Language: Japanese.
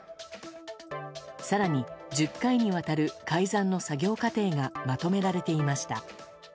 更に１０回にわたる改ざんの作業過程がまとめられていました。